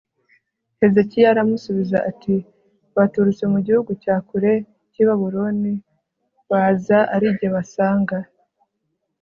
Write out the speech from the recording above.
hezekiya aramusubiza ati baturutse mu gihugu cya kure cy'i babuloni baza ari jye basanga